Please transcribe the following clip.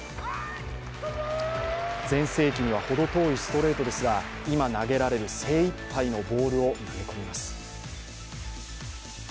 全盛期にはほど遠いストレートですが今投げられる精いっぱいのボールを投げ込みます。